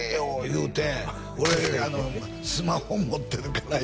言うて「俺スマホ持ってるから」